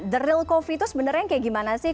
the real coffee itu sebenarnya kayak gimana sih